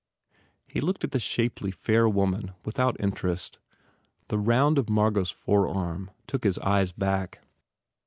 He looked at the shapely, fair woman without interest. The round of Margot s forearm took his eyes back.